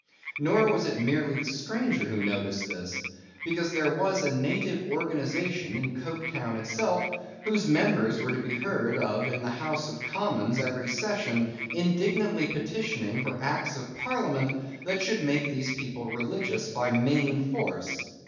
Nor was it merely the stranger who noticed this, because there was a native organization in Coketown itself, whose members were to be heard of in the House of Commons every session, indignantly petitioning for acts of parliament that should make these people religious by main force.